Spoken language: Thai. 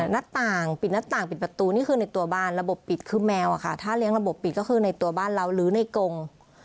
หน้าต่างปิดหน้าต่างปิดประตูนี่คือในตัวบ้านระบบปิดคือแมวอะค่ะถ้าเลี้ยงระบบปิดก็คือในตัวบ้านเราหรือในกง